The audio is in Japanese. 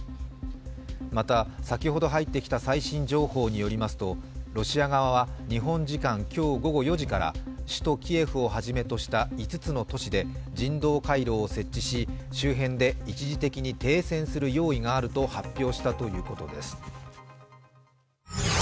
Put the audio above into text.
また先ほど入ってきた最新情報によりますと、ロシア側は日本時間今日午後４時から首都キエフを初めとした５つの都市で、人道回廊を設置し周辺で一時的に停戦する用意があると発表したということです。